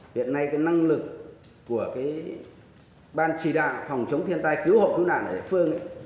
hiện nay cái năng lực của ban chỉ đạo phòng chống thiên tai cứu hộ cứu nạn ở địa phương ấy